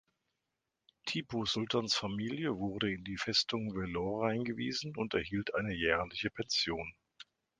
Tipu Sultans Familie wurde in die Festung Vellore eingewiesen und erhielt eine jährliche Pension.